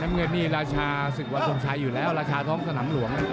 น้ำเงินนี้ราชาศึกวัตรสวมชัยอยู่แล้วราชาท้องสนัมหลวง